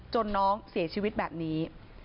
น้องเสียชีวิตแบบนี้